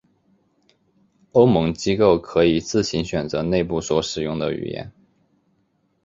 欧盟机构可以自行选择内部所使用的语言。